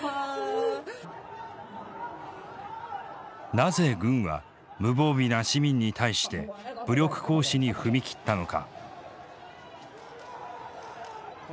なぜ軍は無防備な市民に対して武力行使に踏み切ったのか。